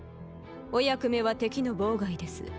お役目は敵の妨害です。